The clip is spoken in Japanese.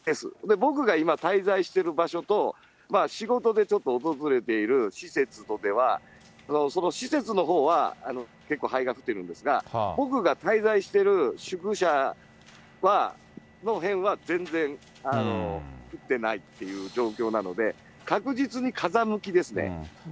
僕が今、滞在している場所と、仕事でちょっと訪れている施設とでは、その施設のほうは結構灰が降ってるんですが、僕が滞在している宿舎の辺は全然、降ってないっていう状況なので、確実に風向きですね。